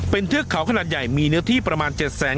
เป็นเทือกเขาขนาดใหญ่มีเนื้อที่ประมาณ๗แสน